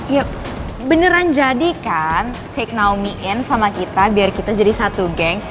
yuk beneran jadi kan take naomi in sama kita biar kita jadi satu geng